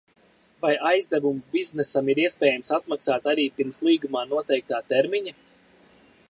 Vai aizdevumu biznesam ir iespējams atmaksāt arī pirms līgumā noteiktā termiņa?